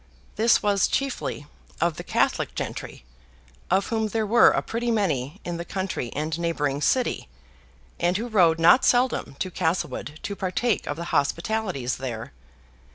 This was chiefly of the Catholic gentry, of whom there were a pretty many in the country and neighboring city; and who rode not seldom to Castlewood to partake of the hospitalities there.